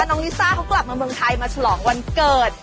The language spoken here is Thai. ลิซ่าเขากลับมาเมืองไทยมาฉลองวันเกิด